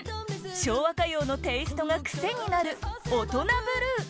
昭和歌謡のテイストが癖になる「オトナブルー」